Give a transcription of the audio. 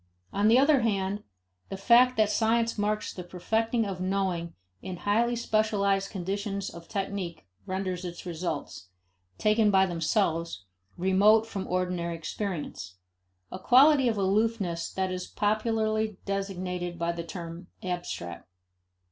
On the other hand, the fact that science marks the perfecting of knowing in highly specialized conditions of technique renders its results, taken by themselves, remote from ordinary experience a quality of aloofness that is popularly designated by the term abstract.